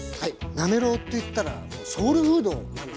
なめろうといったらソウルフードなんですね。